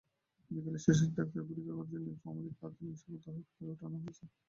বিকেলে শিশুটিকে ডাক্তারি পরীক্ষার জন্য নীলফামারী আধুনিক সদর হাসপাতালে পাঠানো হয়েছে।